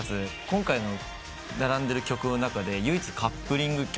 今回の並んでる曲の中で唯一カップリング曲で。